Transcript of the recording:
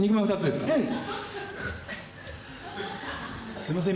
すいません